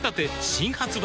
新発売